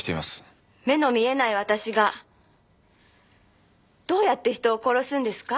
目の見えない私がどうやって人を殺すんですか？